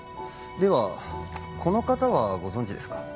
ではこの方はご存じですか？